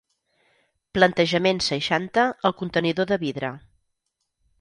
Plantejament seixanta el contenidor de vidre.